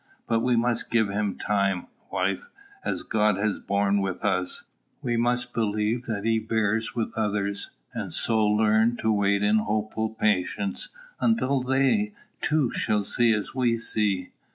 But we must give him time, wife; as God has borne with us, we must believe that he bears with others, and so learn to wait in hopeful patience until they, too, see as we see.